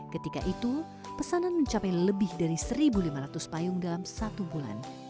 ketika itu pesanan mencapai lebih dari satu lima ratus payung dalam satu bulan